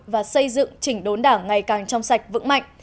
và xây dựng chỉnh đốn đảng ngày càng trong sạch vững mạnh